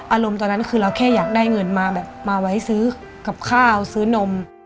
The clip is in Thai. อารมณ์ตอนนั้นคือเราแค่อยากได้เงินมาแบบมาไว้ซื้อกับข้าวซื้อนม